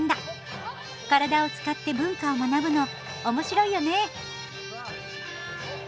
体を使って文化を学ぶのおもしろいよね！